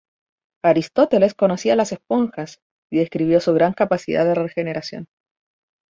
Aristóteles conocía las esponjas y describió su gran capacidad de regeneración.